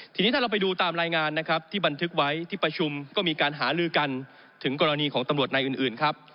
ทีนี้ถ้าเราไปดูตามรายงานนะครับที่บันทึกไว้ที่ประชุมก็มีการหาลือกันถึงกรณีของตำรวจนายอื่นครับ